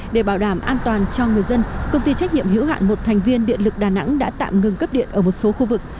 để bảo đảm an toàn cho người dân công ty trách nhiệm hữu hạn một thành viên điện lực đà nẵng đã tạm ngừng cấp điện ở một số khu vực